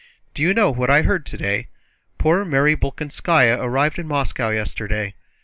"Do you know what I heard today? Poor Mary Bolkónskaya arrived in Moscow yesterday.